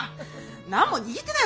何も握ってないよ